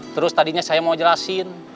terus tadinya saya mau jelasin